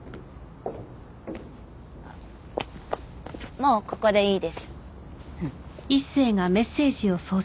もうここでいいです。